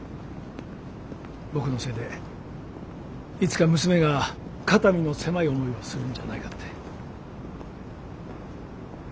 僕のせいでいつか娘が肩身の狭い思いをするんじゃないかって。